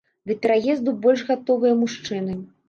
Да пераезду больш гатовыя мужчыны.